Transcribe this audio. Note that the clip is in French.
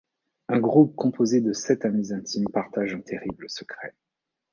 Un groupe composé de sept amis intimes partage un terrible secret.